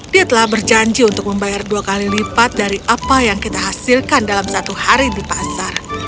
dia telah berjanji untuk membayar dua kali lipat dari apa yang kita hasilkan dalam satu hari di pasar